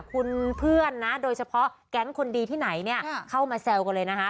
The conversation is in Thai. คุณเพื่อนนะโดยเฉพาะแก๊งคนดีที่ไหนเนี่ยเข้ามาแซวกันเลยนะคะ